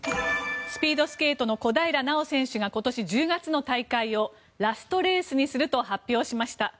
スピードスケートの小平奈緒選手が今年１０月の大会をラストレースにすると発表しました。